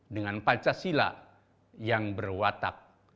dengan pancasila yang berwatak